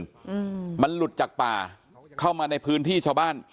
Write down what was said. อืมมันหลุดจากป่าเข้ามาในพื้นที่ชาวบ้าน